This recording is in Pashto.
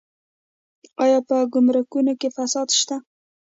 آیا په ګمرکونو کې فساد شته؟